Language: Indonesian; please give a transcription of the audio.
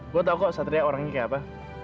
gue tau kok satria orangnya kayak apa